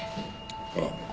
ああ。